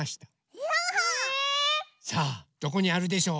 え⁉さあどこにあるでしょう？